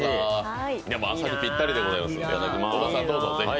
朝にぴったりでございます。